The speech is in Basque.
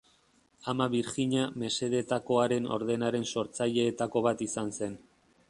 Ama Birjina Mesedetakoaren ordenaren sortzaileetako bat izan zen.